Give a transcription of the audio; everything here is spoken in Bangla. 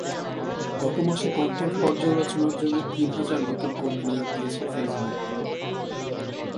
গত মাসে কনটেন্ট পর্যালোচনার জন্য তিন হাজার নতুন কর্মী নিয়োগ দিয়েছে ফেসবুক।